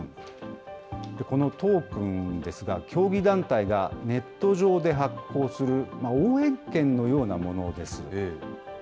このトークンですが、競技団体がネット上で発行する応援券のようなものです。